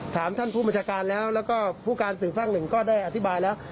ท่านผู้บัญชาการแล้วแล้วก็ผู้การสื่อภาคหนึ่งก็ได้อธิบายแล้ว